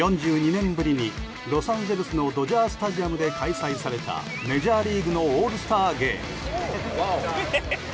４２年ぶりに、ロサンゼルスのドジャースで開催されたメジャーリーグのオールスターゲーム。